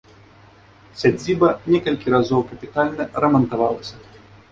Сядзіба некалькі разоў капітальна рамантавалася.